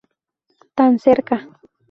Tan cerca...